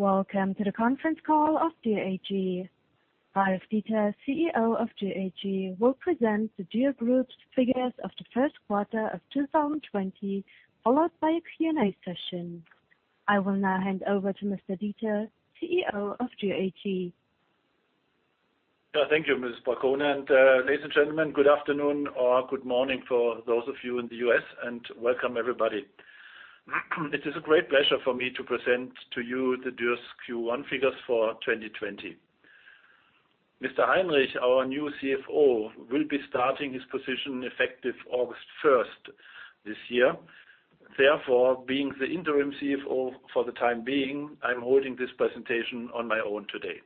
Welcome to the conference call of Dürr AG. Ralf Dieter, CEO of Dürr AG, will present the Dürr Group's figures of the first quarter of 2020, followed by a Q&A session. I will now hand over to Mr. Dieter, CEO of Dürr AG. Thank you, Ms. Falcone, and ladies and gentlemen, good afternoon or good morning for those of you in the US, and welcome, everybody. It is a great pleasure for me to present to you the Dürr's Q1 figures for 2020. Mr. Heinrich, our new CFO, will be starting his position effective August 1st this year. Therefore, being the interim CFO for the time being, I'm holding this presentation on my own today.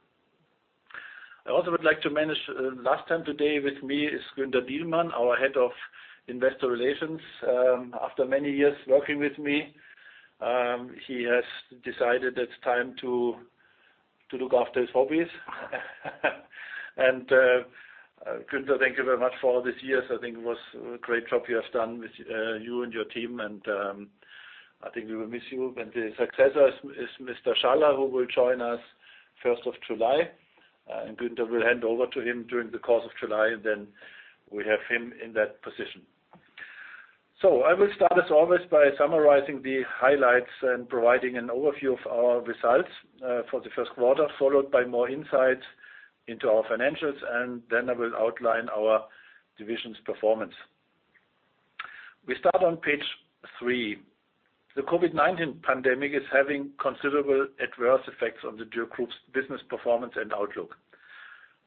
I also would like to mention last time today with me is Günther Dielmann, our head of investor relations. After many years working with me, he has decided it's time to look after his hobbies, and Günther, thank you very much for all these years. I think it was a great job you have done with you and your team, and I think we will miss you, and the successor is Mr. Schaller, who will join us 1st of July. Günther will hand over to him during the course of July, and then we have him in that position. I will start, as always, by summarizing the highlights and providing an overview of our results for the first quarter, followed by more insights into our financials, then I will outline our division's performance. We start on page three. The COVID-19 pandemic is having considerable adverse effects on the Dürr Group's business performance and outlook.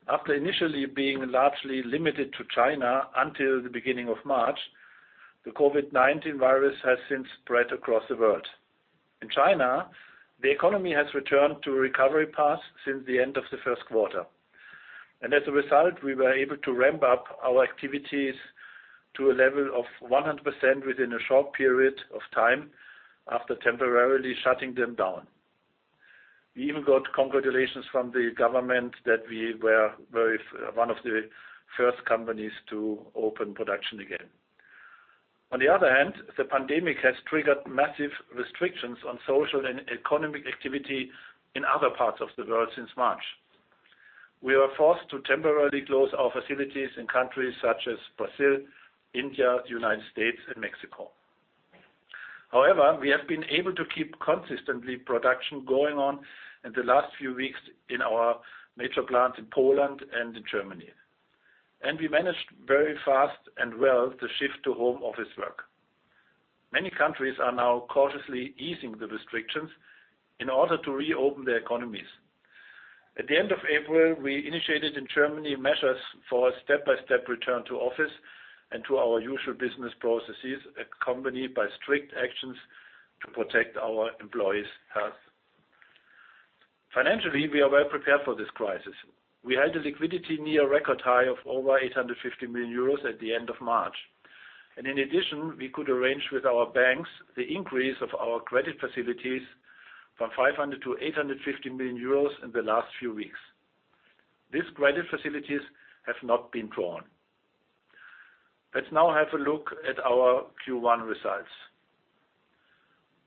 After initially being largely limited to China until the beginning of March, the COVID-19 virus has since spread across the world. In China, the economy has returned to a recovery path since the end of the first quarter. As a result, we were able to ramp up our activities to a level of 100% within a short period of time after temporarily shutting them down. We even got congratulations from the government that we were one of the first companies to open production again. On the other hand, the pandemic has triggered massive restrictions on social and economic activity in other parts of the world since March. We were forced to temporarily close our facilities in countries such as Brazil, India, the United States, and Mexico. However, we have been able to keep consistently production going on in the last few weeks in our major plants in Poland and in Germany. We managed very fast and well the shift to home office work. Many countries are now cautiously easing the restrictions in order to reopen their economies. At the end of April, we initiated in Germany measures for a step-by-step return to office and to our usual business processes, accompanied by strict actions to protect our employees' health. Financially, we are well prepared for this crisis. We had a liquidity near-record high of over 850 million euros at the end of March. And in addition, we could arrange with our banks the increase of our credit facilities from 500 to 850 million euros in the last few weeks. These credit facilities have not been drawn. Let's now have a look at our Q1 results.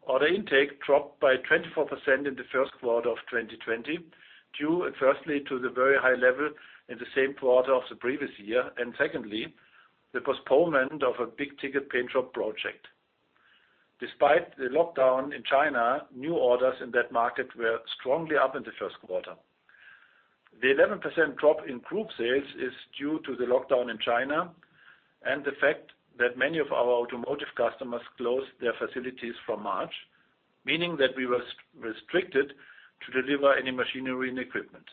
Order intake dropped by 24% in the first quarter of 2020, firstly due to the very high level in the same quarter of the previous year, and secondly, the postponement of a big-ticket paint job project. Despite the lockdown in China, new orders in that market were strongly up in the first quarter. The 11% drop in group sales is due to the lockdown in China and the fact that many of our automotive customers closed their facilities from March, meaning that we were restricted to deliver any machinery and equipment.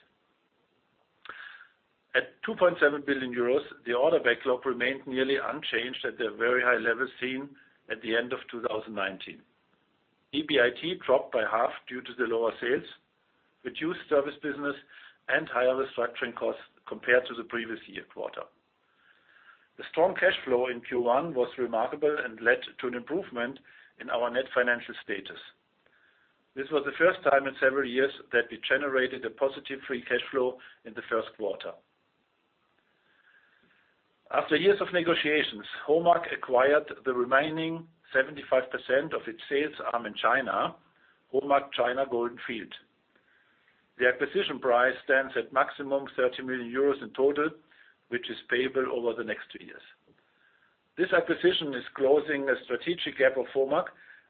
At 2.7 billion euros, the order backlog remained nearly unchanged at the very high level seen at the end of 2019. EBIT dropped by half due to the lower sales, reduced service business, and higher restructuring costs compared to the previous year quarter. The strong cash flow in Q1 was remarkable and led to an improvement in our net financial status. This was the first time in several years that we generated a positive free cash flow in the first quarter. After years of negotiations, HOMAG acquired the remaining 75% of its sales arm in China, HOMAG China Golden Field. The acquisition price stands at a maximum of 30 million euros in total, which is payable over the next two years. This acquisition is closing a strategic gap of HOMAG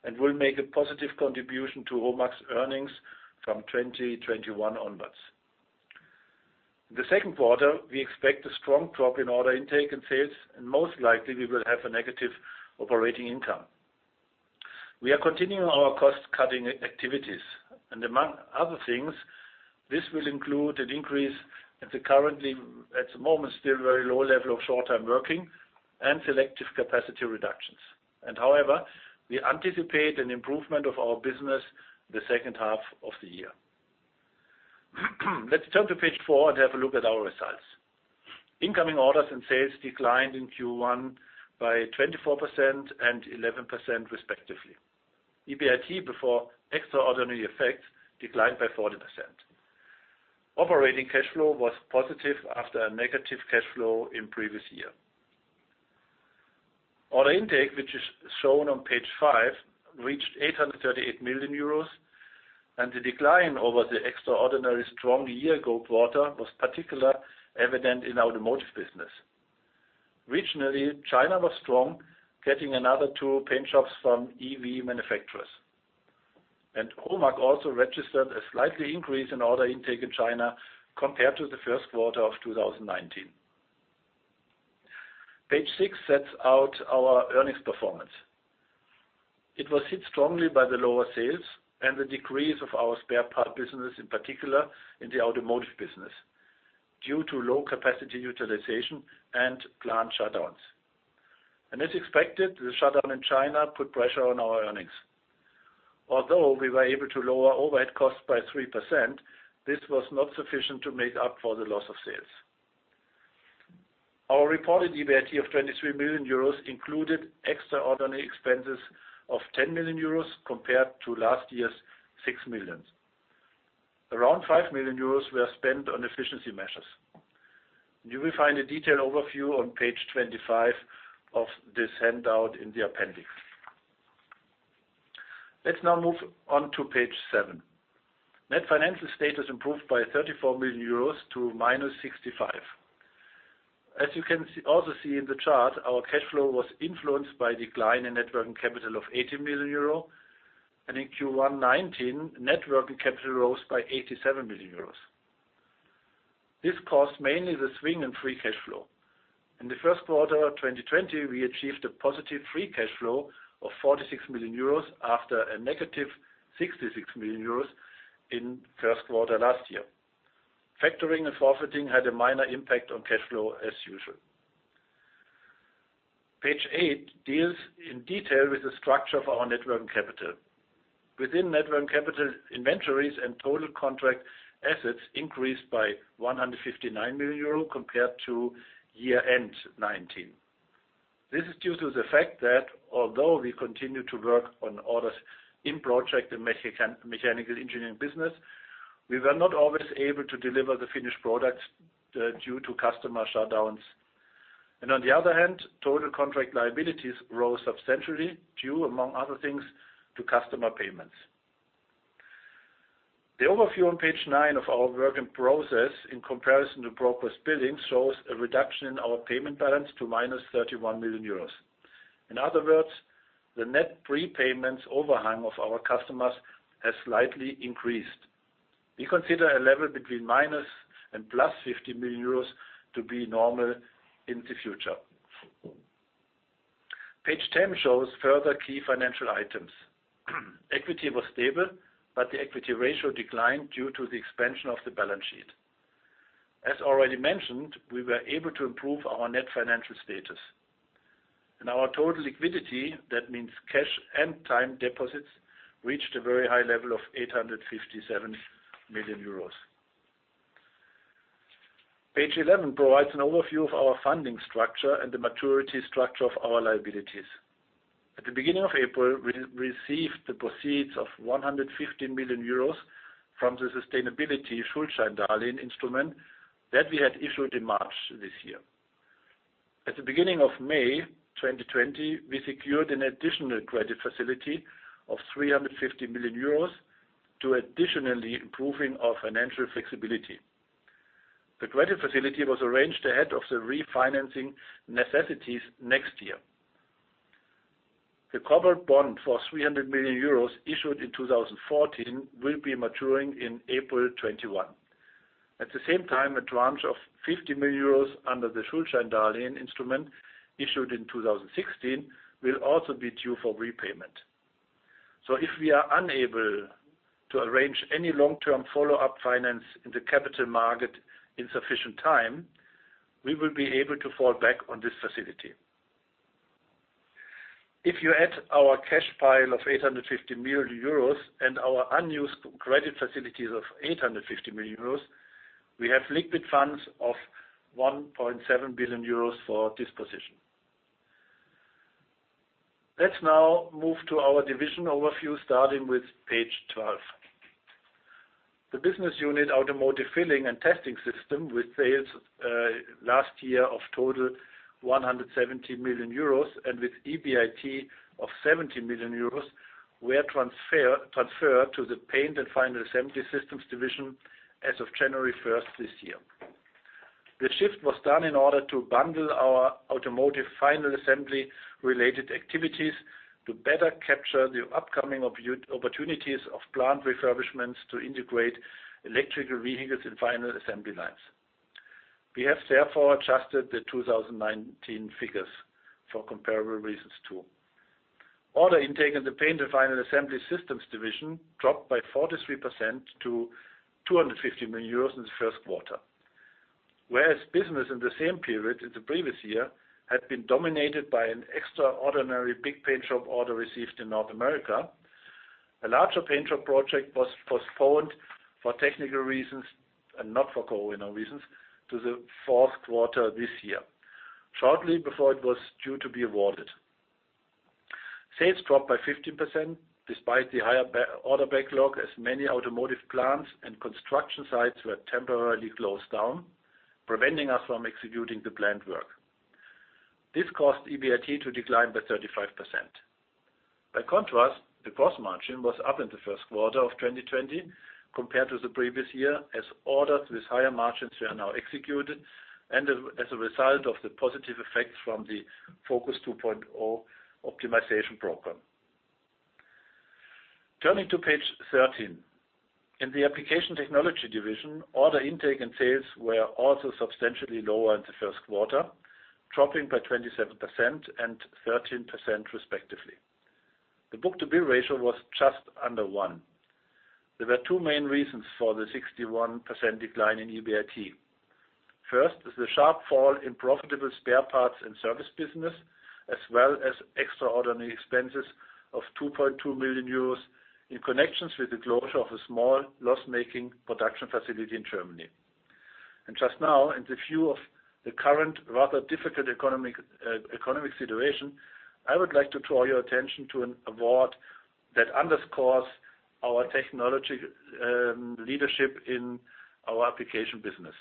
and will make a positive contribution to HOMAG's earnings from 2021 onwards. In the second quarter, we expect a strong drop in order intake and sales, and most likely, we will have a negative operating income. We are continuing our cost-cutting activities, and among other things, this will include an increase in the currently, at the moment, still very low level of short-term working and selective capacity reductions, and however, we anticipate an improvement of our business in the second half of the year. Let's turn to page four and have a look at our results. Incoming orders and sales declined in Q1 by 24% and 11%, respectively. EBIT, before extraordinary effects, declined by 40%. Operating cash flow was positive after a negative cash flow in the previous year. Order intake, which is shown on page five, reached €838 million, and the decline over the extraordinarily strong year-ago quarter was particularly evident in the automotive business. Regionally, China was strong, getting another two paint jobs from EV manufacturers, and HOMAG also registered a slight increase in order intake in China compared to the first quarter of 2019. Page six sets out our earnings performance. It was hit strongly by the lower sales and the decrease of our spare part business, in particular in the automotive business, due to low capacity utilization and plant shutdowns, and as expected, the shutdown in China put pressure on our earnings. Although we were able to lower overhead costs by 3%, this was not sufficient to make up for the loss of sales. Our reported EBIT of 23 million euros included extraordinary expenses of 10 million euros compared to last year's 6 million. Around 5 million euros were spent on efficiency measures. You will find a detailed overview on page 25 of this handout in the appendix. Let's now move on to page seven. Net financial status improved by 34 million euros to 65. As you can also see in the chart, our cash flow was influenced by a decline in net working capital of 18 million euro. And in Q1 2019, net working capital rose by 87 million euros. This caused mainly the swing in free cash flow. In the first quarter of 2020, we achieved a positive free cash flow of 46 million euros after a negative 66 million euros in the first quarter last year. Factoring and forfeiting had a minor impact on cash flow, as usual. Page eight deals in detail with the structure of our net working capital. Within net working capital inventories and total contract assets increased by 159 million euro compared to year-end 2019. This is due to the fact that although we continued to work on orders in project and mechanical engineering business, we were not always able to deliver the finished products due to customer shutdowns. And on the other hand, total contract liabilities rose substantially, due, among other things, to customer payments. The overview on page nine of our working process in comparison to progress billing shows a reduction in our payment balance to 31 million euros. In other words, the net prepayments overhang of our customers has slightly increased. We consider a level between minus and plus 50 million euros to be normal in the future. Page 10 shows further key financial items. Equity was stable, but the equity ratio declined due to the expansion of the balance sheet. As already mentioned, we were able to improve our net financial status. In our total liquidity, that means cash and time deposits reached a very high level of 857 million euros. Page 11 provides an overview of our funding structure and the maturity structure of our liabilities. At the beginning of April, we received the proceeds of 150 million euros from the sustainability Schuldscheindarlehen instrument that we had issued in March this year. At the beginning of May 2020, we secured an additional credit facility of 350 million euros to additionally improve our financial flexibility. The credit facility was arranged ahead of the refinancing necessities next year. The corporate bond for 300 million euros issued in 2014 will be maturing in April 2021. At the same time, a tranche of € 50 million under the Schuldscheindarlehen instrument issued in 2016 will also be due for repayment. So if we are unable to arrange any long-term follow-up finance in the capital market in sufficient time, we will be able to fall back on this facility. If you add our cash pile of € 850 million and our unused credit facilities of € 850 million, we have liquid funds of € 1.7 billion for this position. Let's now move to our division overview, starting with page 12. The business unit, automotive filling and testing system, with sales last year of total € 170 million and with EBIT of € 70 million were transferred to the paint and final assembly systems division as of January 1st this year. The shift was done in order to bundle our automotive final assembly-related activities to better capture the upcoming opportunities of plant refurbishments to integrate electric vehicles in final assembly lines. We have therefore adjusted the 2019 figures for comparable reasons too. Order intake in the paint and final assembly systems division dropped by 43% to €250 million in the first quarter. Whereas business in the same period in the previous year had been dominated by an extraordinary big paint job order received in North America, a larger paint job project was postponed for technical reasons and not for corona reasons to the fourth quarter this year, shortly before it was due to be awarded. Sales dropped by 15% despite the higher order backlog, as many automotive plants and construction sites were temporarily closed down, preventing us from executing the planned work. This caused EBIT to decline by 35%. By contrast, the gross margin was up in the first quarter of 2020 compared to the previous year, as orders with higher margins were now executed as a result of the positive effects from the Focus 2.0 optimization program. Turning to page 13, in the Application Technology division, order intake and sales were also substantially lower in the first quarter, dropping by 27% and 13%, respectively. The book-to-bill ratio was just under one. There were two main reasons for the 61% decline in EBIT. First is the sharp fall in profitable spare parts and service business, as well as extraordinary expenses of 2.2 million euros in connection with the closure of a small loss-making production facility in Germany, and just now, in the view of the current rather difficult economic situation, I would like to draw your attention to an award that underscores our technology leadership in our application business.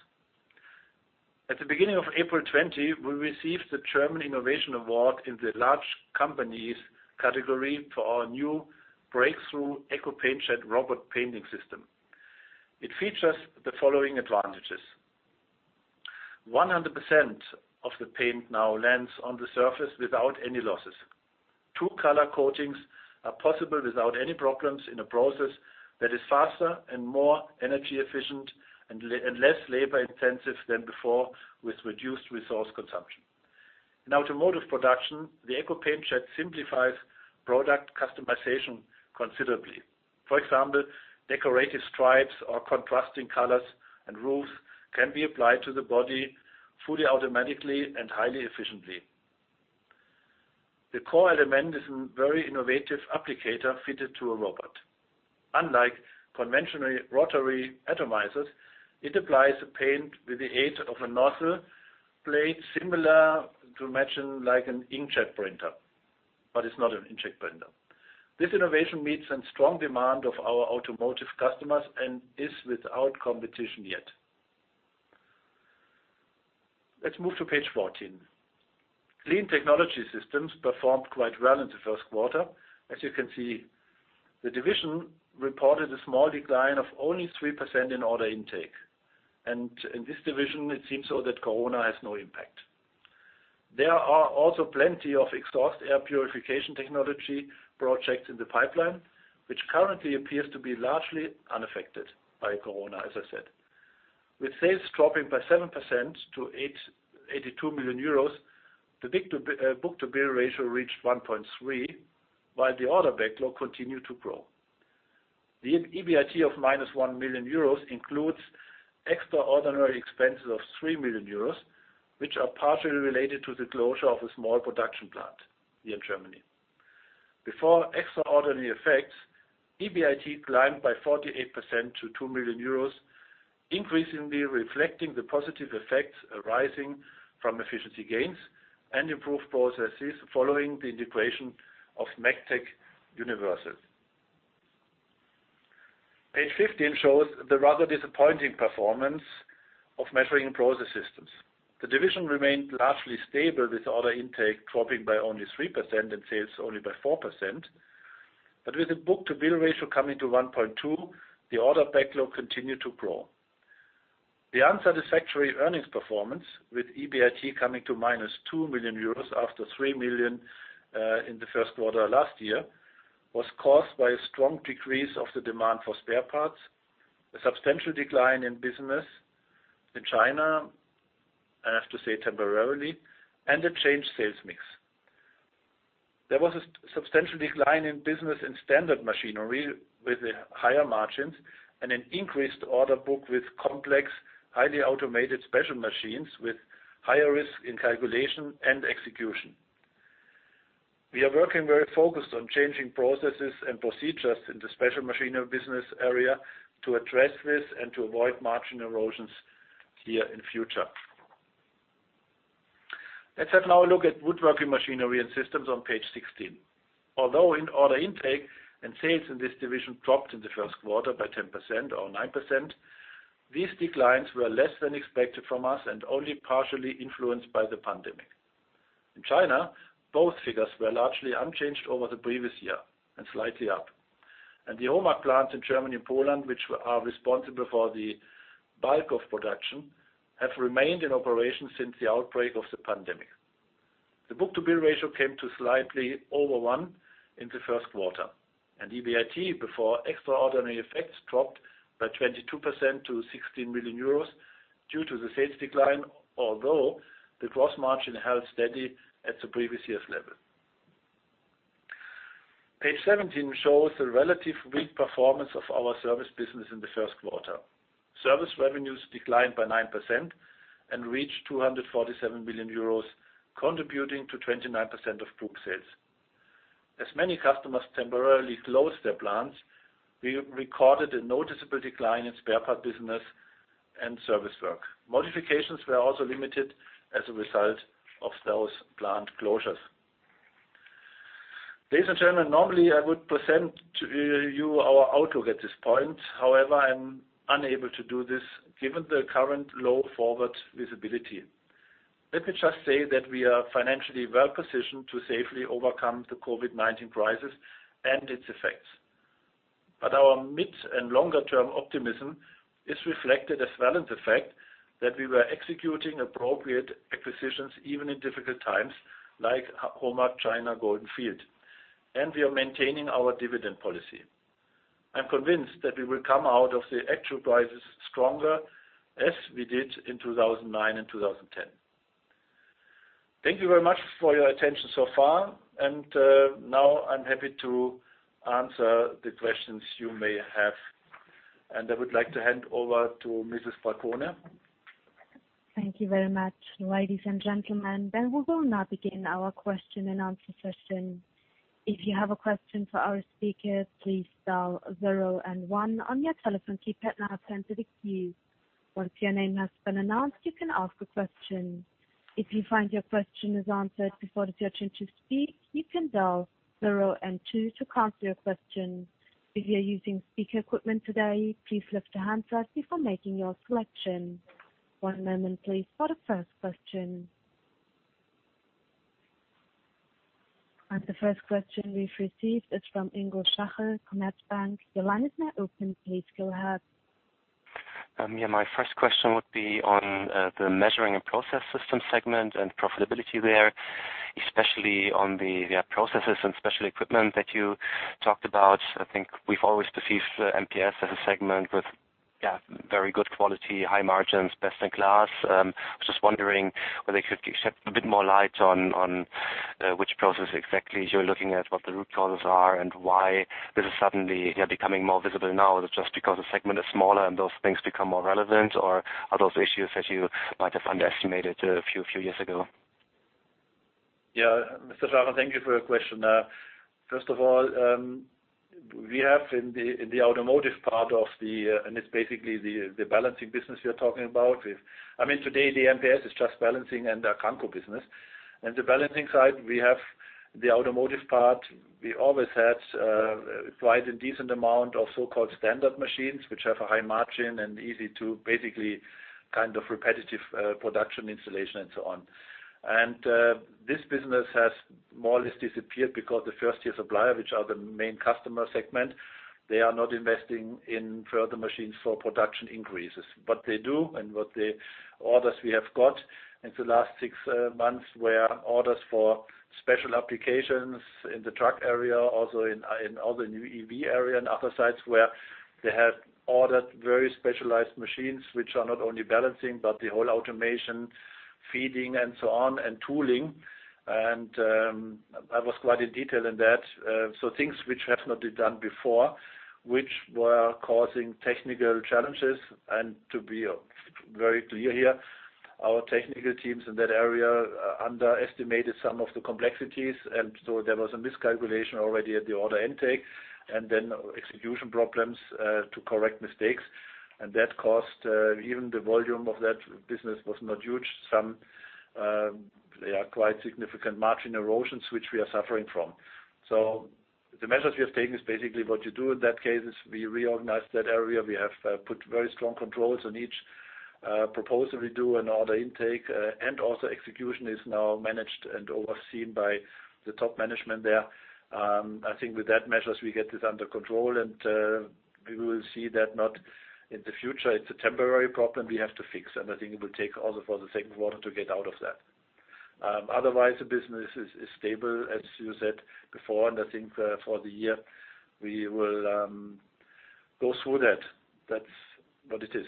At the beginning of April 2020, we received the German Innovation Award in the Large Companies category for our new breakthrough EcoPaintJet robot painting system. It features the following advantages: 100% of the paint now lands on the surface without any losses. Two-color coatings are possible without any problems in a process that is faster and more energy-efficient and less labor-intensive than before, with reduced resource consumption. In automotive production, the EcoPaintJet simplifies product customization considerably. For example, decorative stripes or contrasting colors and roofs can be applied to the body fully automatically and highly efficiently. The core element is a very innovative applicator fitted to a robot. Unlike conventional rotary atomizers, it applies the paint with the aid of a nozzle blade similar to matching like an inkjet printer, but it's not an inkjet printer. This innovation meets a strong demand of our automotive customers and is without competition yet. Let's move to page 14. Clean Technology Systems performed quite well in the first quarter. As you can see, the division reported a small decline of only 3% in order intake, and in this division, it seems so that corona has no impact. There are also plenty of exhaust air purification technology projects in the pipeline, which currently appears to be largely unaffected by corona, as I said. With sales dropping by 7% to 82 million euros, the book-to-bill ratio reached 1.3, while the order backlog continued to grow. The EBIT of 1 million euros includes extraordinary expenses of 3 million euros, which are partially related to the closure of a small production plant here in Germany. Before extraordinary effects, EBIT climbed by 48% to 2 million euros, increasingly reflecting the positive effects arising from efficiency gains and improved processes following the integration of MACTEC Universal. Page 15 shows the rather disappointing performance of Measuring and Process Systems. The division remained largely stable with order intake dropping by only 3% and sales only by 4%. But with the book-to-bill ratio coming to 1.2, the order backlog continued to grow. The unsatisfactory earnings performance, with EBIT coming to minus 2 million euros after 3 million in the first quarter last year, was caused by a strong decrease of the demand for spare parts, a substantial decline in business in China, I have to say temporarily, and a changed sales mix. There was a substantial decline in business in standard machinery with higher margins and an increased order book with complex, highly automated special machines with higher risk in calcu lation and execution. We are working very focused on changing processes and procedures in the special machinery business area to address this and to avoid margin erosions here in the future. Let's have now a look at Woodworking Machinery and Systems on page 16. Although in order intake and sales in this division dropped in the first quarter by 10% or 9%, these declines were less than expected from us and only partially influenced by the pandemic. In China, both figures were largely unchanged over the previous year and slightly up, and the HOMAG plants in Germany and Poland, which are responsible for the bulk of production, have remained in operation since the outbreak of the pandemic. The book-to-bill ratio came to slightly over one in the first quarter. EBIT before extraordinary effects dropped by 22% to 16 million euros due to the sales decline, although the gross margin held steady at the previous year's level. Page 17 shows the relatively weak performance of our service business in the first quarter. Service revenues declined by 9% and reached 247 million euros, contributing to 29% of book sales. As many customers temporarily closed their plants, we recorded a noticeable decline in spare part business and service work. Modifications were also limited as a result of those plant closures. Ladies and gentlemen, normally I would present to you our outlook at this point. However, I'm unable to do this given the current low forward visibility. Let me just say that we are financially well positioned to safely overcome the COVID-19 crisis and its effects. But our mid and longer-term optimism is reflected as well in the fact that we were executing appropriate acquisitions even in difficult times like HOMAG China Golden Field. And we are maintaining our dividend policy. I'm convinced that we will come out of the actual crisis stronger as we did in 2009 and 2010. Thank you very much for your attention so far. And now I'm happy to answer the questions you may have. And I would like to hand over to Ms. Falcone. Thank you very much, ladies and gentlemen. Then we will now begin our question and answer session. If you have a question for our speaker, please dial 0 and 1 on your telephone keypad now sent to the queue. Once your name has been announced, you can ask a question. If you find your question is answered before it's your turn to speak, you can dial 0 and 2 to cancel your question. If you're using speaker equipment today, please lift your hands up before making your selection. One moment, please, for the first question. And the first question we've received is from Ingo Schaller, Commerzbank. Your line is now open. Please go ahead. Yeah, my first question would be on the measuring and process system segment and profitability there, especially on the processes and special equipment that you talked about. I think we've always perceived MPS as a segment with very good quality, high margins, best in class. I was just wondering whether you could shed a bit more light on which process exactly you're looking at, what the root causes are, and why this is suddenly becoming more visible now. Is it just because the segment is smaller and those things become more relevant, or are those issues that you might have underestimated a few years ago? Yeah, Mr. Schaller, thank you for your question. First of all, we have in the automotive part of the, and it's basically the balancing business we are talking about. I mean, today, the MPS is just balancing and the Akanko business. And the balancing side, we have the automotive part. We always had quite a decent amount of so-called standard machines, which have a high margin and easy to basically kind of repetitive production installation and so on. And this business has more or less disappeared because the first-tier supplier, which are the main customer segment, they are not investing in further machines for production increases. What they do and what the orders we have got in the last six months were orders for special applications in the truck area, also in the EV area and other sites where they have ordered very specialized machines, which are not only balancing, but the whole automation, feeding, and so on, and tooling. And I was quite in detail in that. So, things which have not been done before, which were causing technical challenges. And to be very clear here, our technical teams in that area underestimated some of the complexities. And so, there was a miscalculation already at the order intake and then execution problems to correct mistakes. And that caused even the volume of that business was not huge. Some quite significant margin erosions, which we are suffering from. So, the measures we have taken is basically what you do in that case. We reorganize that area. We have put very strong controls on each proposal we do and order intake. And also, execution is now managed and overseen by the top management there. I think with that measures, we get this under control. And we will see that not in the future. It's a temporary problem we have to fix. And I think it will take also for the second quarter to get out of that. Otherwise, the business is stable, as you said before. And I think for the year, we will go through that. That's what it is.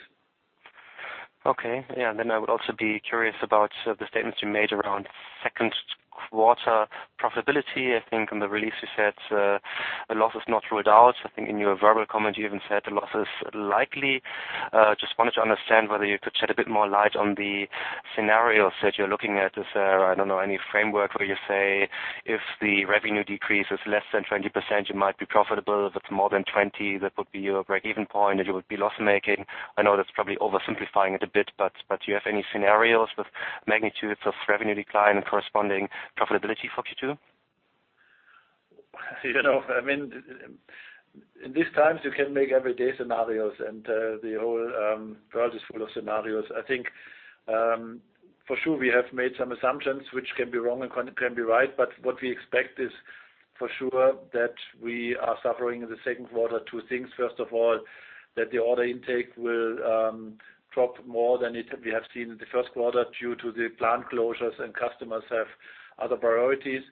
Okay. Yeah. And then I would also be curious about the statements you made around second quarter profitability. I think in the release, you said the loss is not ruled out. I think in your verbal comment, you even said the loss is likely. Just wanted to understand whether you could shed a bit more light on the scenarios that you're looking at. Is there, I don't know, any framework where you say if the revenue decrease is less than 20%, you might be profitable? If it's more than 20%, that would be your break-even point, and you would be loss-making. I know that's probably oversimplifying it a bit, but do you have any scenarios with magnitudes of revenue decline and corresponding profitability for Q2? I mean, in these times, you can make every day scenarios, and the whole world is full of scenarios. I think for sure we have made some assumptions, which can be wrong and can be right. But what we expect is for sure that we are suffering in the second quarter two things. First of all, that the order intake will drop more than we have seen in the first quarter due to the plant closures and customers have other priorities.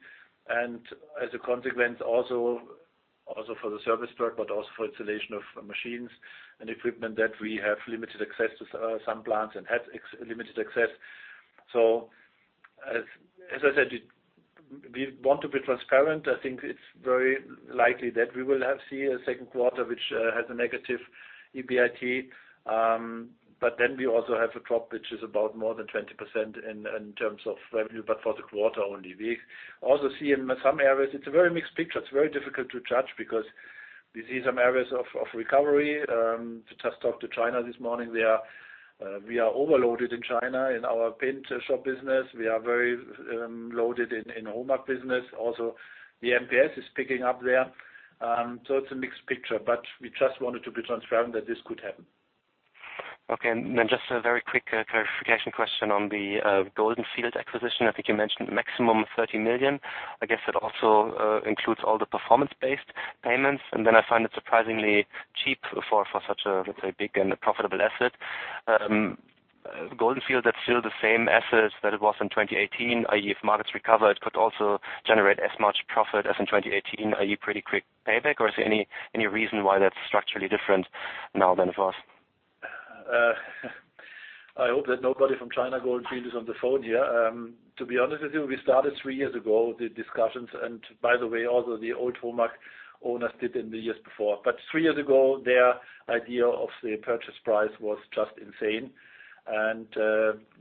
And as a consequence, also for the service work, but also for installation of machines and equipment that we have limited access to some plants and had limited access. So as I said, we want to be transparent. I think it's very likely that we will see a second quarter, which has a negative EBIT. But then we also have a drop, which is about more than 20% in terms of revenue, but for the quarter only. We also see in some areas, it's a very mixed picture. It's very difficult to judge because we see some areas of recovery. Just talked to China this morning. We are overloaded in China in our paint shop business. We are very loaded in the HOMAG business. Also, the MPS is picking up there. So it's a mixed picture. But we just wanted to be transparent that this could happen. Okay. And then just a very quick clarification question on the Golden Field acquisition. I think you mentioned maximum 30 million. I guess it also includes all the performance-based payments. And then I find it surprisingly cheap for such a, let's say, big and profitable asset. Golden Field, that's still the same asset that it was in 2018. If markets recover, it could also generate as much profit as in 2018. Are you pretty quick payback, or is there any reason why that's structurally different now than it was? I hope that nobody from China Golden Field is on the phone here. To be honest with you, we started three years ago the discussions. And by the way, also the old HOMAG owners did in the years before. But three years ago, their idea of the purchase price was just insane. And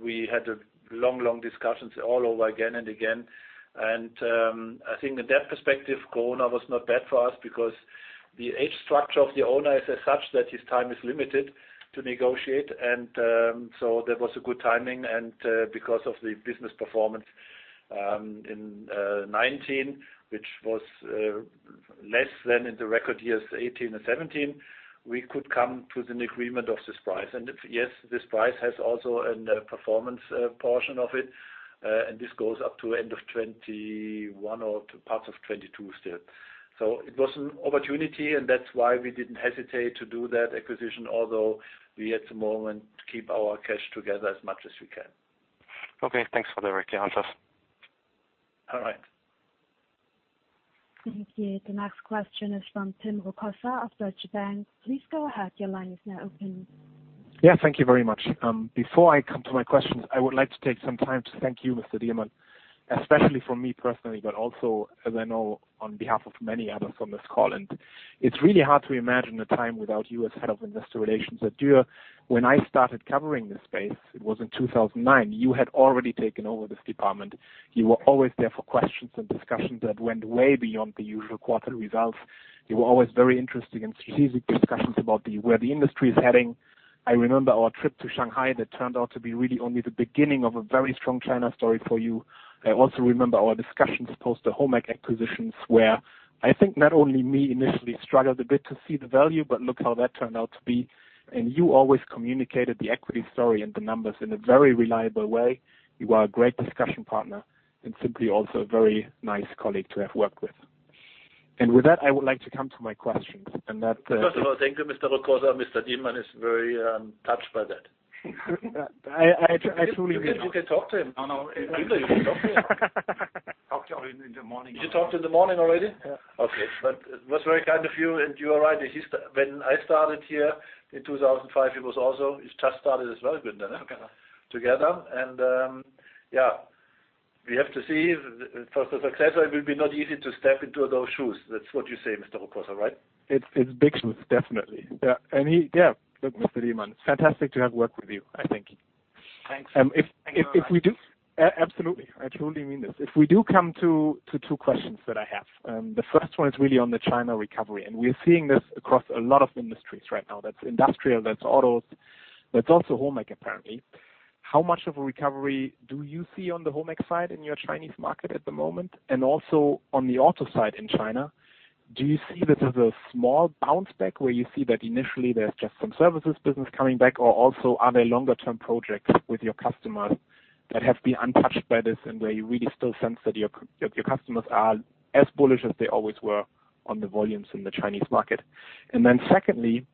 we had long, long discussions all over again and again. And I think in that perspective, Corona was not bad for us because the age structure of the owner is as such that his time is limited to negotiate. And so there was a good timing. And because of the business performance in 2019, which was less than in the record years 2018 and 2017, we could come to an agreement of this price. And yes, this price has also a performance portion of it. And this goes up to the end of 2021 or parts of 2022 still. So it was an opportunity, and that's why we didn't hesitate to do that acquisition, although we had to keep our cash together as much as we can. Okay. Thanks for the quick answers. All right. Thank you. The next question is from Tim Rokossa of Deutsche Bank. Please go ahead. Your line is now open. Yeah. Thank you very much. Before I come to my questions, I would like to take some time to thank you, Mr. Dielmann, especially for me personally, but also, as I know, on behalf of many others on this call. And it's really hard to imagine a time without you as head of investor relations at Dürr. When I started covering this space, it was in 2009. You had already taken over this department. You were always there for questions and discussions that went way beyond the usual quarterly results. You were always very interested in strategic discussions about where the industry is heading. I remember our trip to Shanghai that turned out to be really only the beginning of a very strong China story for you. I also remember our discussions post the HOMAG acquisitions where I think not only me initially struggled a bit to see the value, but look how that turned out to be, and you always communicated the equity story and the numbers in a very reliable way. You were a great discussion partner and simply also a very nice colleague to have worked with. And with that, I would like to come to my questions. First of all, thank you, Mr. Rokossa. Mr. Dielmann is very touched by that. I truly mean that. You can talk to him. I know. Talk to him in the morning. Did you talk to him in the morning already? Yeah. Okay. But it was very kind of you. And you're right. When I started here in 2005, he was also he just started as well together. And yeah, we have to see. For success, it will be not easy to step into those shoes. That's what you say, Mr. Rokossa, right? It's big shoes, definitely. Yeah. And yeah, look, Mr. Dielmann, it's fantastic to have worked with you, I think. Thanks. Thank you. Absolutely. I truly mean this. If we do come to two questions that I have, the first one is really on the China recovery. And we're seeing this across a lot of industries right now. That's industrial, that's autos, that's also HOMAG, apparently. How much of a recovery do you see on the HOMAG side in your Chinese market at the moment? And also, on the auto side in China, do you see this as a small bounce back where you see that initially there's just some services business coming back? Or also, are there longer-term projects with your customers that have been untouched by this and where you really still sense that your customers are as bullish as they always were on the volumes in the Chinese market? And then secondly,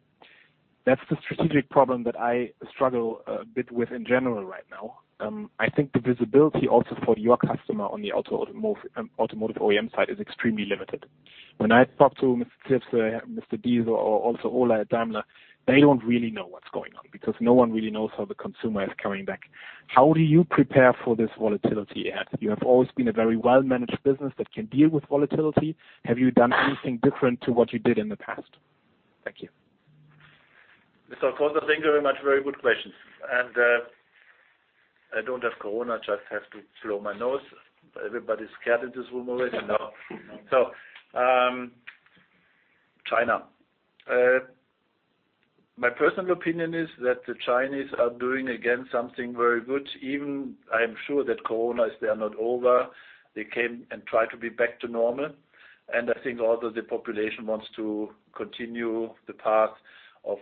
that's the strategic problem that I struggle a bit with in general right now. I think the visibility also for your customer on the automotive OEM side is extremely limited. When I talk to Mr. Zetsche, Mr. Diess, or also Ola at Daimler, they don't really know what's going on because no one really knows how the consumer is coming back. How do you prepare for this volatility? You have always been a very well-managed business that can deal with volatility. Have you done anything different to what you did in the past? Thank you. Mr. Rokossa, thank you very much. Very good questions. And I don't have Corona. I just have to blow my nose. Everybody's scared in this room already. So China. My personal opinion is that the Chinese are doing, again, something very good. Even I am sure that Corona is not over. They came and tried to be back to normal. And I think also the population wants to continue the path of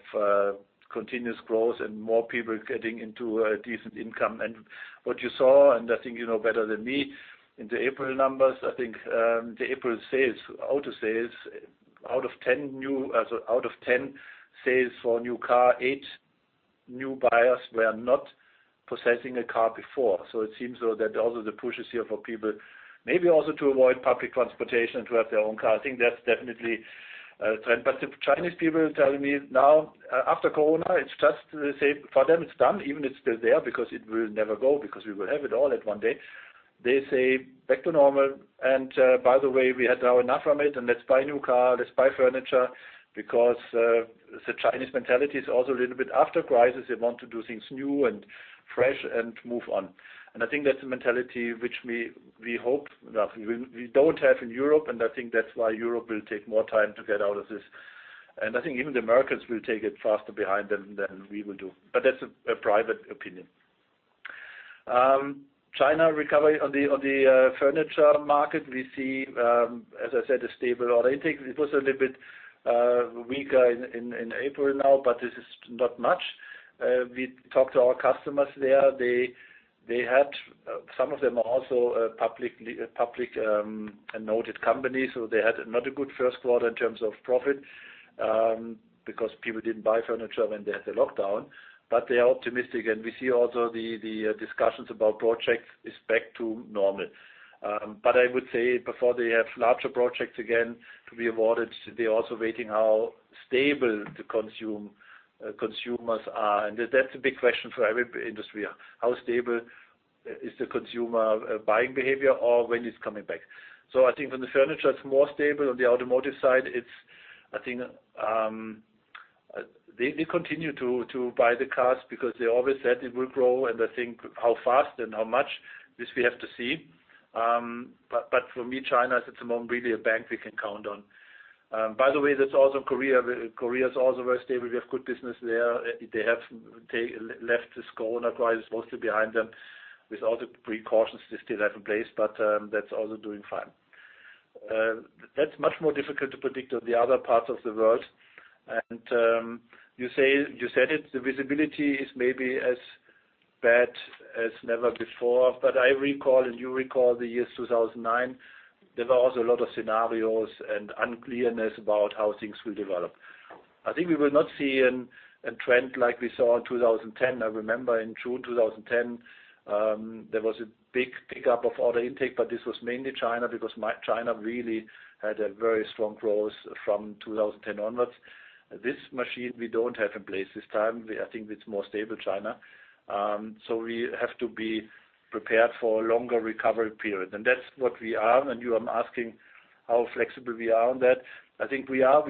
continuous growth and more people getting into a decent income. And what you saw, and I think you know better than me, in the April numbers, I think the April sales, auto sales, out of 10 new sales for a new car, eight new buyers were not possessing a car before. So, it seems that also the push is here for people maybe also to avoid public transportation and to have their own car. I think that's definitely a trend. But the Chinese people are telling me now, after Corona, it's just for them, it's done. Even it's still there because it will never go because we will have it all at one day. They say back to normal. And by the way, we had now enough from it, and let's buy a new car. Let's buy furniture because the Chinese mentality is also a little bit after crisis. They want to do things new and fresh and move on. And I think that's a mentality which we hope we don't have in Europe. And I think that's why Europe will take more time to get out of this. And I think even the Americans will take it faster behind them than we will do. But that's a private opinion. China recovery on the furniture market, we see, as I said, a stable auto intake. It was a little bit weaker in April now, but this is not much. We talked to our customers there. Some of them are also publicly noted companies. So, they had not a good first quarter in terms of profit because people didn't buy furniture when they had the lockdown. But they are optimistic. And we see also the discussions about projects is back to normal. But I would say before they have larger projects again to be awarded, they're also waiting how stable the consumers are. And that's a big question for every industry. How stable is the consumer buying behavior or when it's coming back? So, I think on the furniture, it's more stable. On the automotive side, I think they continue to buy the cars because they always said it will grow. And I think how fast and how much, this we have to see. But for me, China is at the moment really a bank we can count on. By the way, that's also Korea. Korea is also very stable. We have good business there. They have left this Corona crisis mostly behind them with all the precautions they still have in place. But that's also doing fine. That's much more difficult to predict on the other parts of the world. And you said it. The visibility is maybe as bad as never before. But I recall, and you recall the year 2009, there were also a lot of scenarios and uncertainty about how things will develop. I think we will not see a trend like we saw in 2010. I remember in June 2010, there was a big pickup of auto intake, but this was mainly China because China really had a very strong growth from 2010 onwards. This machine, we don't have in place this time. I think it's more stable, China, so we have to be prepared for a longer recovery period, and that's what we are, and you are asking how flexible we are on that. I think we are.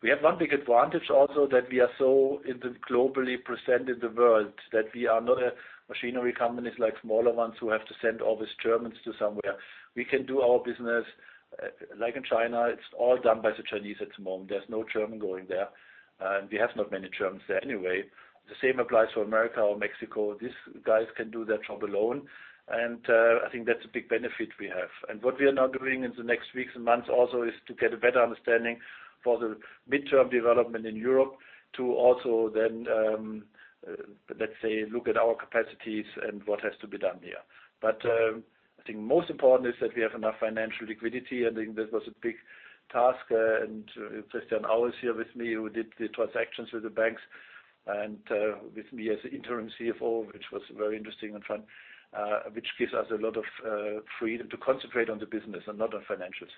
We have one big advantage also that we are so globally present in the world that we are not machinery companies like smaller ones who have to send all these Germans to somewhere. We can do our business like in China. It's all done by the Chinese at the moment. There's no German going there, and we have not many Germans there anyway. The same applies for America or Mexico. These guys can do their job alone, and I think that's a big benefit we have, and what we are now doing in the next weeks and months also is to get a better understanding for the mid-term development in Europe to also then, let's say, look at our capacities and what has to be done here, but I think most important is that we have enough financial liquidity. I think that was a big task, and Christian Au is here with me. We did the transactions with the banks and with me as interim CFO, which was very interesting and fun, which gives us a lot of freedom to concentrate on the business and not on financials.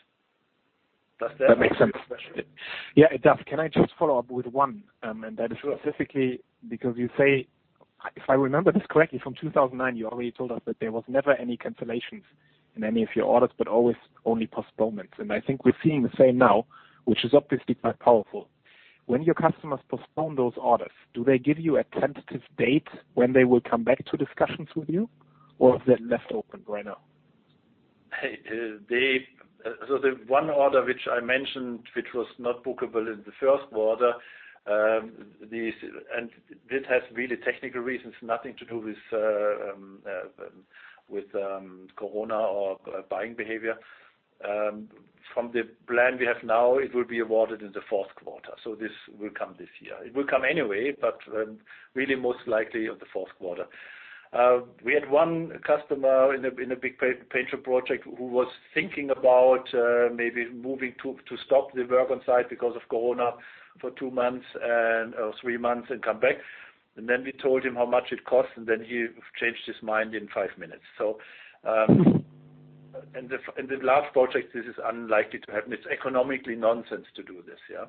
Does that answer your question? That makes sense. Yeah, it does. Can I just follow up with one? That is specifically because you say, if I remember this correctly, from 2009, you already told us that there was never any cancellations in any of your orders, but always only postponements. And I think we're seeing the same now, which is obviously quite powerful. When your customers postpone those orders, do they give you a tentative date when they will come back to discussions with you, or is that left open right now? So the one order which I mentioned, which was not bookable in the first quarter, and this has really technical reasons, nothing to do with Corona or buying behavior. From the plan we have now, it will be awarded in the fourth quarter. So this will come this year. It will come anyway, but really most likely in the fourth quarter. We had one customer in a big painter project who was thinking about maybe moving to stop the work on site because of Corona for two months or three months and come back, and then we told him how much it costs, and then he changed his mind in five minutes, and in large projects, this is unlikely to happen. It's economically nonsense to do this. Yeah,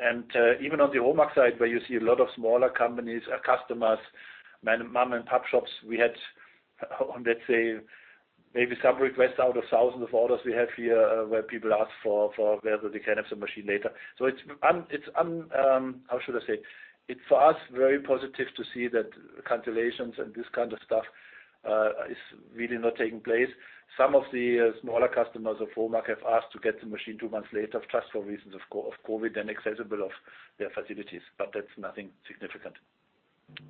and even on the HOMAG side, where you see a lot of smaller companies, customers, mom-and-pop shops, we had, let's say, maybe some requests out of thousands of orders we have here where people ask for whether they can have the machine later. So it's, how should I say, it's for us very positive to see that cancellations and this kind of stuff is really not taking place. Some of the smaller customers of HOMAG have asked to get the machine two months later just for reasons of COVID and accessibility of their facilities. But that's nothing significant.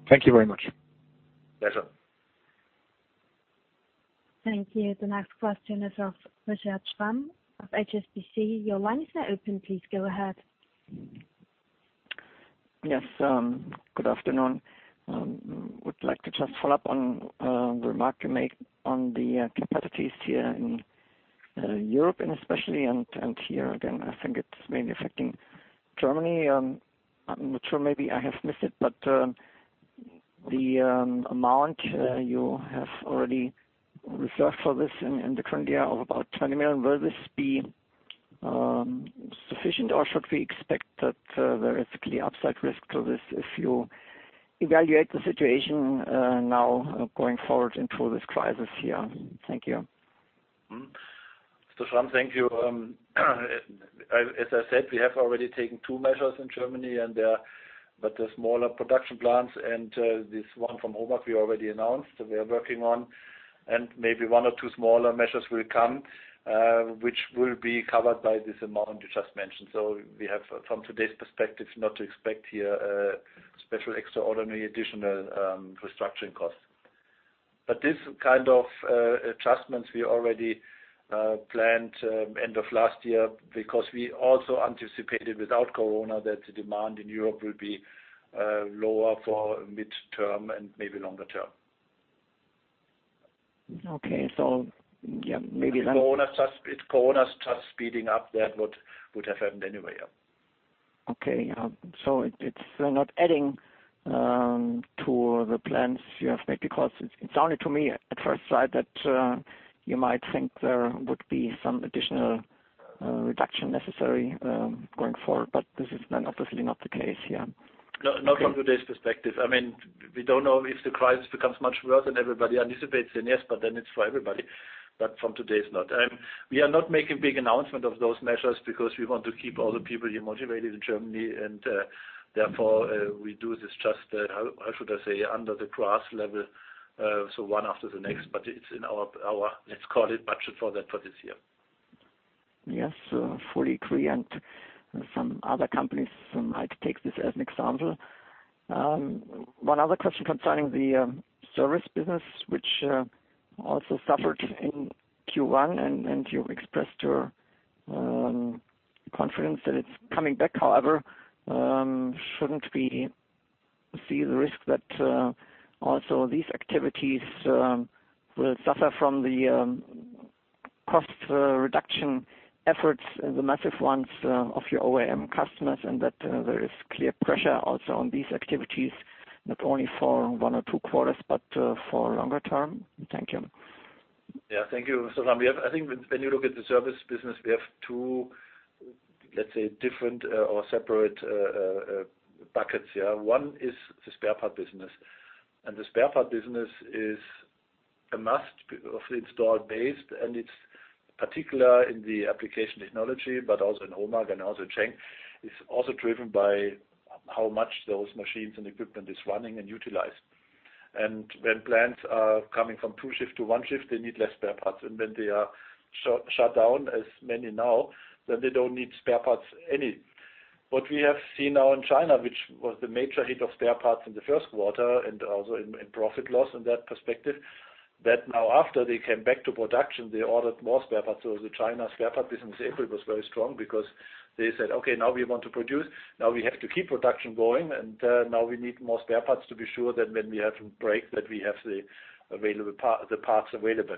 Thank you very much. Pleasure. Thank you. The next question is from Richard Schramm of HSBC. Your line is now open. Please go ahead. Yes. Good afternoon. I would like to just follow up on the remark you made on the capacities here in Europe and especially here again. I think it's mainly affecting Germany. I'm not sure. Maybe I have missed it, but the amount you have already reserved for this in the current year of about 20 million EUR, will this be sufficient, or should we expect that there is clear upside risk to this if you evaluate the situation now going forward into this crisis here? Thank you. Mr. Schramm, thank you. As I said, we have already taken two measures in Germany, but the smaller production plants and this one from HOMAG we already announced that we are working on, and maybe one or two smaller measures will come, which will be covered by this amount you just mentioned, so we have, from today's perspective, not to expect here special extraordinary additional restructuring costs. But this kind of adjustments we already planned end of last year because we also anticipated without Corona that the demand in Europe will be lower for midterm and maybe longer term. Okay. So yeah, maybe that. If Corona's just speeding up, that would have happened anyway. Okay, so it's not adding to the plans you have made because it sounded to me at first sight that you might think there would be some additional reduction necessary going forward, but this is obviously not the case here. Not from today's perspective. I mean, we don't know if the crisis becomes much worse and everybody anticipates then, yes, but then it's for everybody. But from today, it's not. We are not making big announcements of those measures because we want to keep all the people here motivated in Germany. And therefore, we do this just, how should I say, under the grass level, so one after the next. But it's in our, let's call it, budget for this year. Yes. Fully agree. And some other companies might take this as an example. One other question concerning the service business, which also suffered in Q1, and you've expressed your confidence that it's coming back. However, shouldn't we see the risk that also these activities will suffer from the cost reduction efforts, the massive ones of your OEM customers, and that there is clear pressure also on these activities, not only for one or two quarters, but for longer term? Thank you. Yeah. Thank you. So, I think when you look at the service business, we have two, let's say, different or separate buckets. One is the spare part business. And the spare part business is a must of the installed base. And it's particular in the application technology, but also in HOMAG and also in Schenck. It's also driven by how much those machines and equipment are running and utilized. And when plants are coming from two shift to one shift, they need less spare parts. And when they are shut down, as many now, then they don't need spare parts any. What we have seen now in China, which was the major hit of spare, parts in the first quarter and also in profit loss in that perspective, that now after they came back to production, they ordered more spare parts. So the China spare part business in April was very strong because they said, "Okay, now we want to produce. Now we have to keep production going. And now we need more spare parts to be sure that when we have a break, that we have the parts available."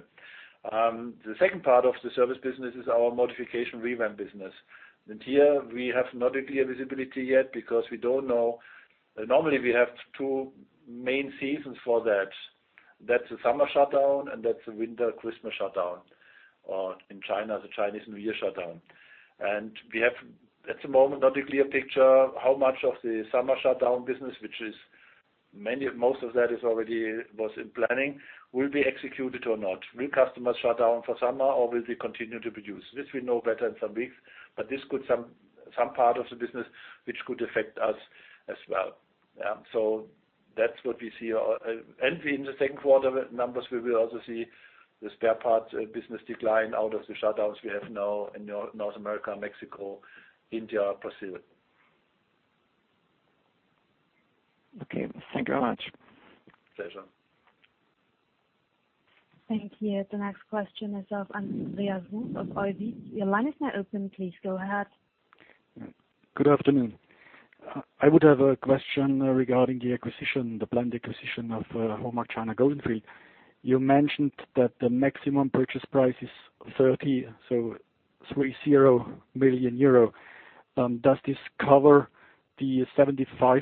The second part of the service business is our modification revamp business. And here, we have not a clear visibility yet because we don't know. Normally, we have two main seasons for that. That's the summer shutdown, and that's the winter Christmas shutdown, or in China, the Chinese New Year shutdown. And we have, at the moment, not a clear picture how much of the summer shutdown business, which is most of that is already was in planning, will be executed or not. Will customers shut down for summer, or will they continue to produce? This we know better in some weeks, but this could some part of the business, which could affect us as well. So that's what we see. And in the second quarter numbers, we will also see the spare part business decline out of the shutdowns we have now in North America, Mexico, India, Brazil. Okay. Thank you very much. Pleasure. Thank you. The next question is of Andreas Hof of Oddo BHF. Your line is now open. Please go ahead. Good afternoon. I would have a question regarding the acquisition, the planned acquisition of HOMAG China Golden Field. You mentioned that the maximum purchase price is 30.0 million euro. Does this cover the 75%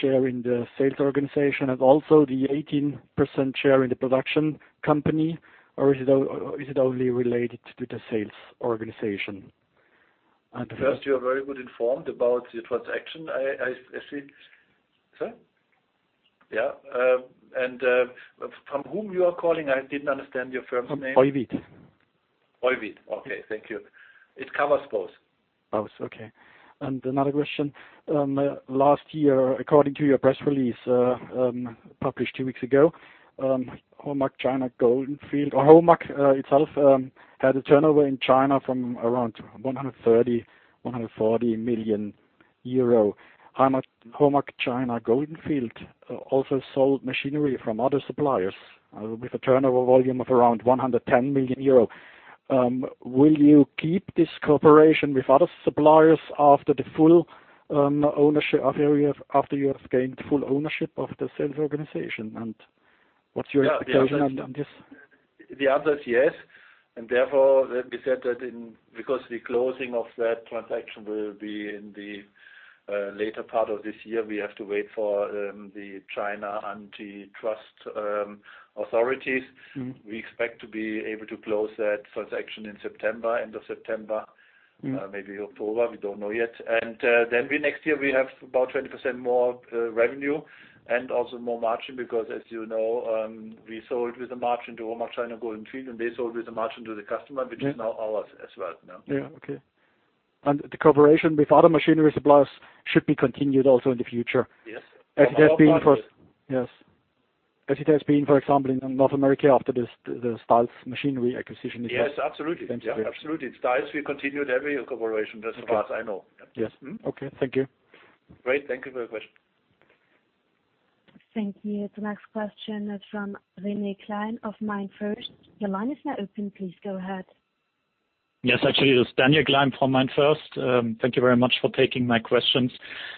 share in the sales organization and also the 18% share in the production company, or is it only related to the sales organization? First, you are very well informed about your transaction. I see. Sir? Yeah. And from whom you are calling? I didn't understand your firm's name. Oddo BHF. Oddo BHF. Okay. Thank you. It covers both. Okay. And another question. Last year, according to your press release published two weeks ago, HOMAG China Golden Field or HOMAG itself had a turnover in China from around 130-140 million euro. HOMAG China Golden Field also sold machinery from other suppliers with a turnover volume of around 110 million euro. Will you keep this cooperation with other suppliers After the full ownership after you have gained full ownership of the sales organization? What's your expectation on this? The answer is yes. Therefore, let me say that because the closing of that transaction will be in the later part of this year, we have to wait for the Chinese Antitrust Authorities. We expect to be able to close that transaction in September, end of September, maybe October. We don't know yet. And then next year, we have about 20% more revenue and also more margin because, as you know, we sold with a margin to HOMAG China Golden Field, and they sold with a margin to the customer, which is now ours as well. Yeah. Okay. And the cooperation with other machinery suppliers should be continued also in the future. Yes. Absolutely. As it has been, for example, in North America after the Stiles Machinery acquisition. Yes. Absolutely. Absolutely. Stiles, we continued every cooperation as far as I know. Yes. Okay. Thank you. Great. Thank you for the question. Thank you. The next question is from René Klein of MainFirst. Your line is now open. Please go ahead. Yes. Actually, it's Daniel Klein from MainFirst. Thank you very much for taking my questions.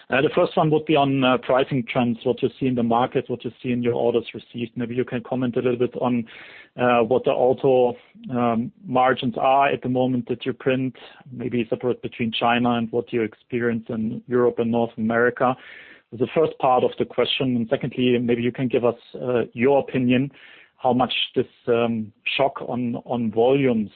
The first one would be on pricing trends, what you see in the market, what you see in your orders received. Maybe you can comment a little bit on what the auto margins are at the moment that you print, maybe separate between China and what you experience in Europe and North America. The first part of the question. And secondly, maybe you can give us your opinion how much this shock on volumes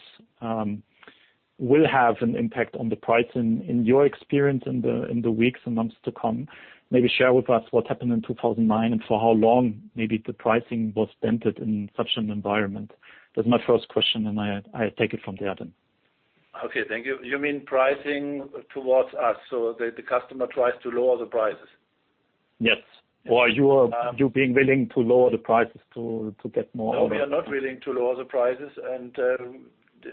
will have an impact on the price in your experience in the weeks and months to come. Maybe share with us what happened in 2009 and for how long maybe the pricing was dented in such an environment. That's my first question, and I take it from there then. Okay. Thank you. You mean pricing towards us? So the customer tries to lower the prices? Yes. Or you being willing to lower the prices to get more? No.We are not willing to lower the prices. And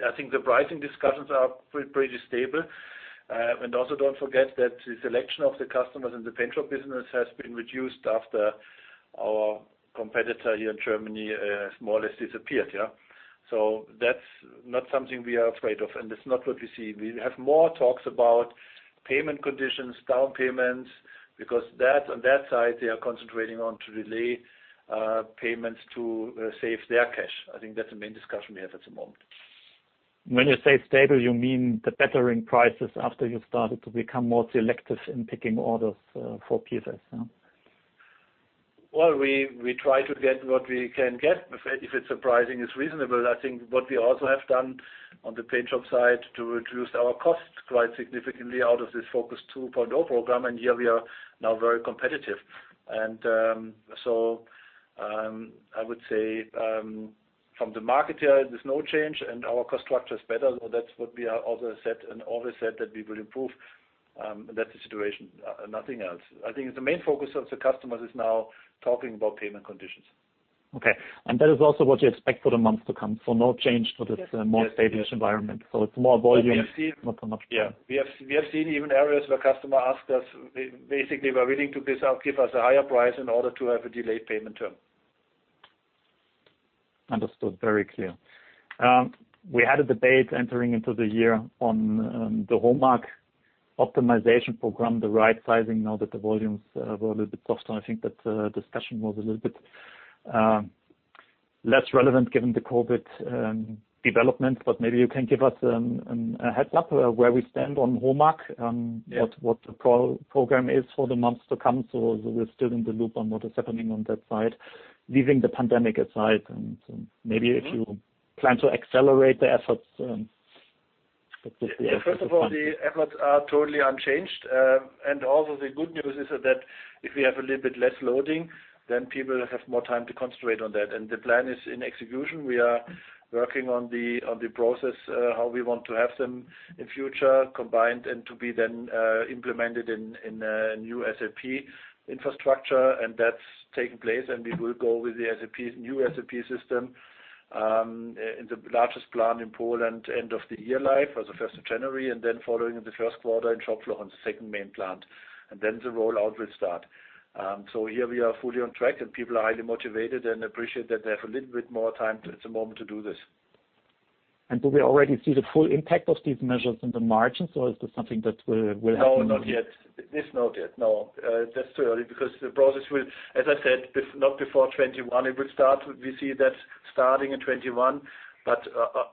I think the pricing discussions are pretty stable. And also don't forget that the selection of the customers in the painter business has been reduced after our competitor here in Germany has more or less disappeared. Yeah. So that's not something we are afraid of, and it's not what we see. We have more talks about payment conditions, down payments, because on that side, they are concentrating on to delay payments to save their cash. I think that's the main discussion we have at the moment. When you say stable, you mean the bettering prices after you started to become more selective in picking orders for PFS? Well, we try to get what we can get. If the pricing is reasonable, I think what we also have done on the paint side to reduce our costs quite significantly out of this Focus 2.0 program, and here we are now very competitive, and so I would say from the market here, there's no change, and our cost structure is better, so that's what we have also said and always said that we will improve. That's the situation. Nothing else. I think the main focus of the customers is now talking about payment conditions. Okay, and that is also what you expect for the month to come, so no change to this more stable environment. So it's more volume. Yeah. We have seen even areas where customers ask us, basically, we're willing to give us a higher price in order to have a delayed payment term. Understood. Very clear. We had a debate entering into the year on the HOMAG optimization program, the right sizing, now that the volumes were a little bit softer. I think that discussion was a little bit less relevant given the COVID developments. But maybe you can give us a heads-up where we stand on HOMAG, what the program is for the months to come. So, we're still in the loop on what is happening on that side, leaving the pandemic aside. And maybe if you plan to accelerate the efforts, that would be helpful. Yeah. First of all, the efforts are totally unchanged. And also the good news is that if we have a little bit less loading, then people have more time to concentrate on that. And the plan is in execution. We are working on the process, how we want to have them in future, combined and to be then implemented in a new SAP infrastructure. And that's taking place. And we will go with the new SAP system in the largest plant in Poland end of the year live, so the first of January, and then following the first quarter in Schopfloch on the second main plant. And then the rollout will start. So here we are fully on track, and people are highly motivated and appreciate that they have a little bit more time at the moment to do this. And do we already see the full impact of these measures in the margins? Or is this something that will happen? No, not yet. It's not yet. No. That's too early because the process will, as I said, not before 2021, it will start. We see that starting in 2021. But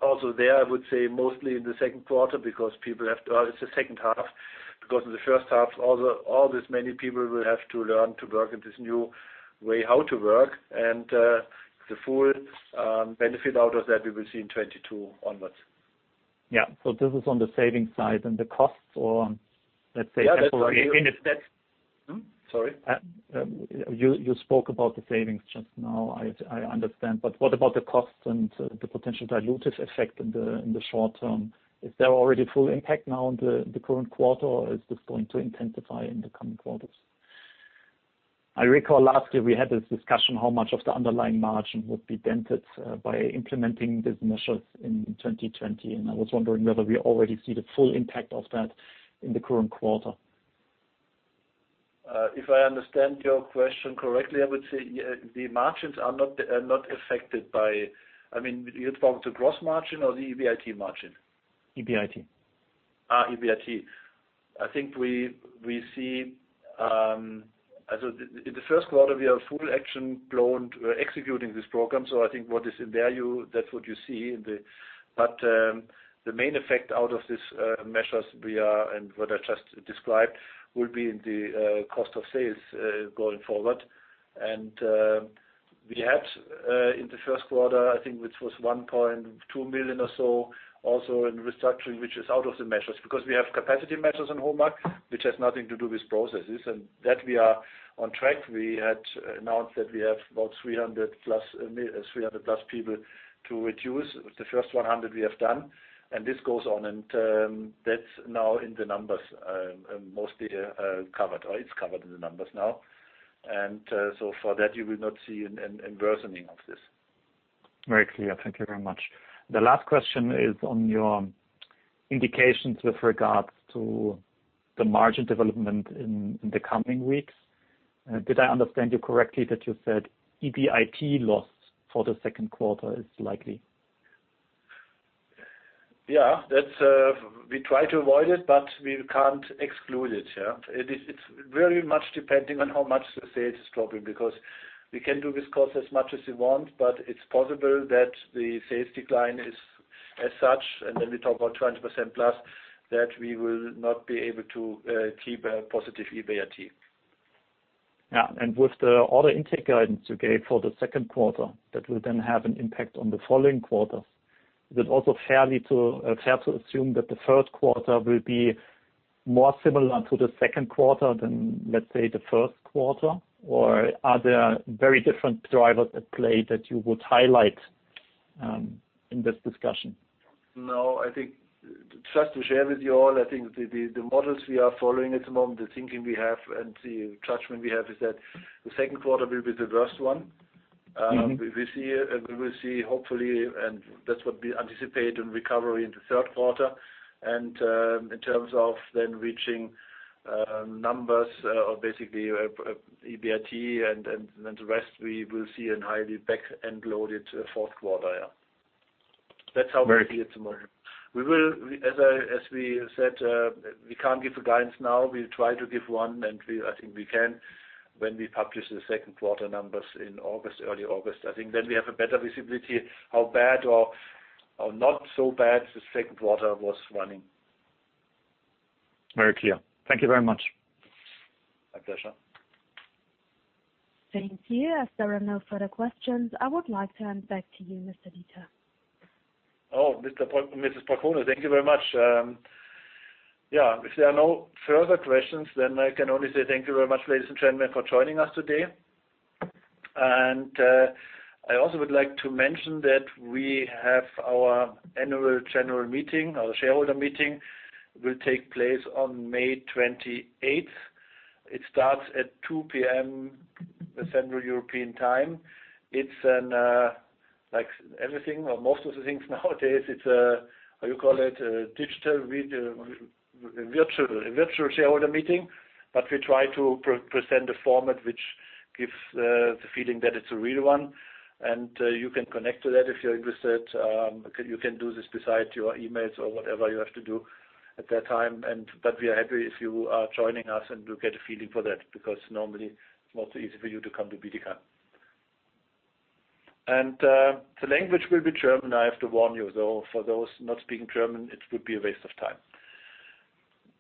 also there, I would say mostly in the second quarter because people have to, it's the second half because in the first half, all these many people will have to learn to work in this new way how to work. And the full benefit out of that, we will see in 2022 onwards. Yeah. So, this is on the savings side and the costs or let's say temporary. Sorry. You spoke about the savings just now. I understand. But what about the costs and the potential dilutive effect in the short term? Is there already full impact now in the current quarter, or is this going to intensify in the coming quarters? I recall last year we had this discussion how much of the underlying margin would be dented by implementing these measures in 2020, and I was wondering whether we already see the full impact of that in the current quarter. If I understand your question correctly, I would say the margins are not affected by. I mean, you're talking to gross margin or the EBIT margin? EBIT. EBIT. I think we see so in the first quarter, we are full action executing this program. So, I think what is in there, that's what you see. But the main effect out of these measures and what I just described will be in the cost of sales going forward. And we had in the first quarter, I think it was 1.2 million or so, also in restructuring, which is out of the measures because we have capacity measures on HOMAG, which has nothing to do with processes. And that we are on track. We had announced that we have about 300 plus people to reduce. The first 100 we have done. And this goes on. And that's now in the numbers, mostly covered, or it's covered in the numbers now. And so for that, you will not see an inversion of this. Very clear. Thank you very much. The last question is on your indications with regards to the margin development in the coming weeks. Did I understand you correctly that you said EBIT loss for the second quarter is likely? Yeah. We try to avoid it, but we can't exclude it. It's very much depending on how much the sales are dropping because we can do this cost as much as we want, but it's possible that the sales decline is as such. And then we talk about 20% plus that we will not be able to keep a positive EBIT. Yeah. And with the order intake guidance you gave for the second quarter that will then have an impact on the following quarters, is it also fair to assume that the third quarter will be more similar to the second quarter than, let's say, the first quarter? Or are there very different drivers at play that you would highlight in this discussion? No. I think just to share with you all, I think the models we are following at the moment, the thinking we have and the judgment we have is that the second quarter will be the worst one. We will see, hopefully, and that's what we anticipate in recovery in the third quarter. And in terms of then reaching numbers or basically EBIT and then the rest, we will see a highly back-end loaded fourth quarter. Yeah. That's how we see it at the moment. As we said, we can't give guidance now. We try to give one, and I think we can when we publish the second quarter numbers in early August. I think then we have a better visibility how bad or not so bad the second quarter was running. Very clear. Thank you very much. My pleasure. Thank you. As there are no further questions, I would like to hand back to you, Mr. Dieter. Oh, Ms. Falcone, thank you very much. Yeah. If there are no further questions, then I can only say thank you very much, ladies and gentlemen, for joining us today. And I also would like to mention that we have our annual general meeting. Our shareholder meeting will take place on May 28th. It starts at 2:00 P.M. Central European Time. It's like everything or most of the things nowadays. It's a, how you call it, a virtual shareholder meeting. But we try to present a format which gives the feeling that it's a real one. And you can connect to that if you're interested. You can do this beside your emails or whatever you have to do at that time. But we are happy if you are joining us and you get a feeling for that because normally it's not so easy for you to come to BDK. And the language will be German. I have to warn you. So, for those not speaking German, it would be a waste of time.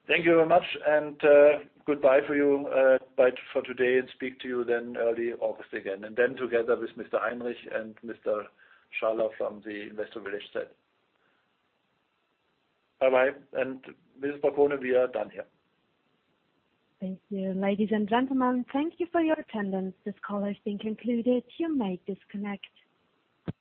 Thank you very much. And goodbye for you. Bye for today and speak to you then early August again. And then together with Mr. Heinrich and Mr. Schaller from the Investor Relations team. Bye-bye. And Mrs. Falcone, we are done here. Thank you. Ladies and gentlemen, thank you for your attendance. This call has been concluded. You may disconnect.